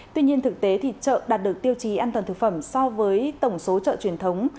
tuy nhiên thực tế chợ đạt được tiêu chí an toàn thực phẩm so với tổng số chợ truyền thống